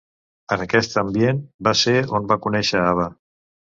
En aquest ambient va ser on va conèixer Ava.